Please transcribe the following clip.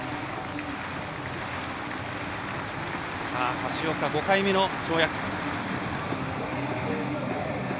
橋岡、５回目の跳躍。